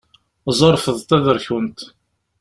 Ẓerfed taderkunt!